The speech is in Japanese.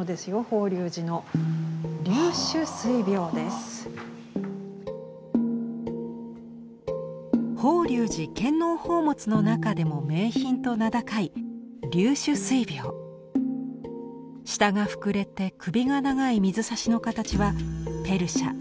法隆寺献納宝物の中でも名品と名高い下が膨れて首が長い水差しの形はペルシャ